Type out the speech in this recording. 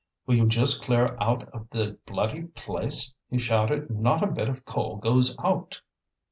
"Will you just clear out of the bloody place!" he shouted. "Not a bit of coal goes out!"